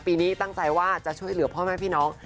ปีนี้ตั้งใจว่าจะช่วยเหลือพ่อแม่พี่น้อง